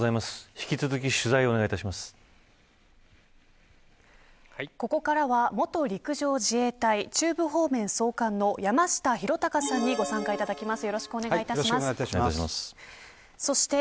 引き続きここからは元陸上自衛隊中部方面総監の山下裕貴さんにご参加いただきます。